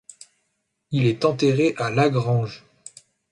Il est enterré à Lagrange.